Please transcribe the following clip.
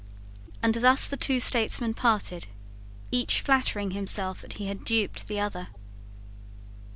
And thus the two statesmen parted, each flattering himself that he had duped the other.